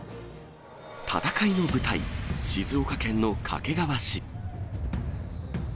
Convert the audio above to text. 戦いの舞台、静岡県の掛川市。